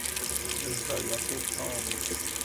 رضایت تام